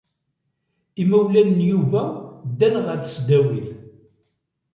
Imawlan n Yuba ddan ɣer tesdawit.